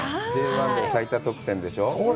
Ｊ１で最多得点でしょう？